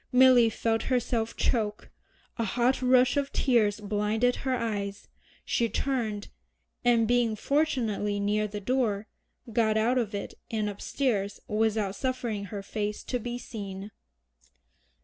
Milly felt herself choke, a hot rush of tears blinded her eyes, she turned, and being fortunately near the door, got out of it and upstairs without suffering her face to be seen.